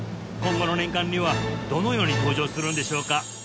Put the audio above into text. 今後の年鑑にはどのように登場するのでしょうか